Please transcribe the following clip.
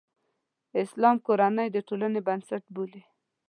اسلام کورنۍ د ټولنې بنسټ بولي.